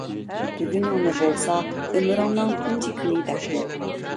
بۈگۈنۈڭنى بولسا ئۆمرۈمنىڭ تۇنجى كۈنى دەپ بىل.